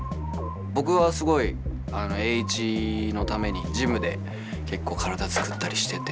僕は、すごい栄一のためにジムで結構、体作ったりしてて